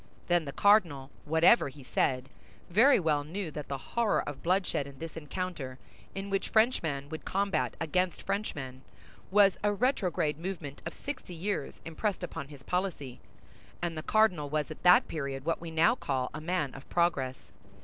Then the cardinal, whatever he said, very well knew that the horror of bloodshed in this encounter, in which Frenchman would combat against Frenchman, was a retrograde movement of sixty years impressed upon his policy; and the cardinal was at that period what we now call a man of progress.